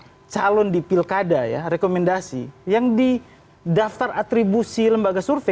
jadi kalau kita lihat di dalam survei ada beberapa kalon di pilkada ya rekomendasi yang didaftar atribusi lembaga survei